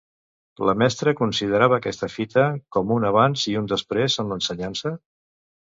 La mestra considerava aquesta fita com un abans i un després en l'ensenyança?